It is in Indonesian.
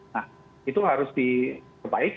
nah itu harus diperhatikan